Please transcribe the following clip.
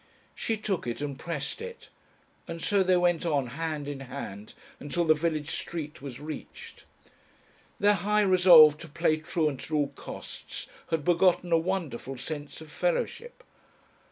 She took it and pressed it, and so they went on hand in hand until the village street was reached. Their high resolve to play truant at all costs had begotten a wonderful sense of fellowship.